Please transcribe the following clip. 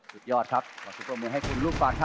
สุดยอดครับขอทุกรบมือให้คุณลูกฟันครับ